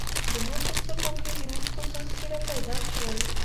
د مور په سترګو کې د اوښکو څاڅکي را پیدا شول.